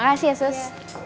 makasih ya sus